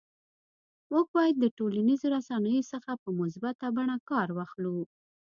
موږ باید د ټولنیزو رسنیو څخه په مثبته بڼه کار واخلو